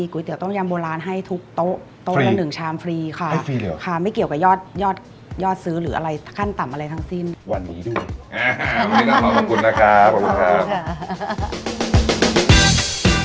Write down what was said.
ขั้นต่ำอะไรทั้งสิ้นวันนี้ด้วยขอบคุณนะคะขอบคุณค่ะ